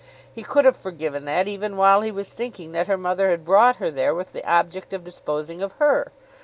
He could have forgiven that, even while he was thinking that her mother had brought her there with the object of disposing of her.